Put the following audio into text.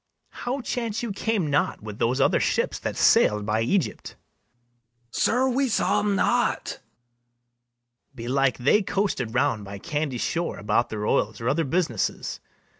BARABAS. How chance you came not with those other ships That sail'd by Egypt? SECOND MERCHANT. Sir, we saw 'em not. BARABAS. Belike they coasted round by Candy shore About their oils or other businesses.